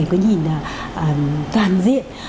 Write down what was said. có nhìn toàn diện